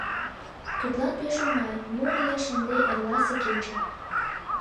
Тудлан пеш оҥай, мо лиеш ынде эрласе кечын?